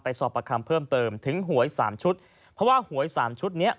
สอบประคำเพิ่มเติมถึงหวยสามชุดเพราะว่าหวยสามชุดเนี้ย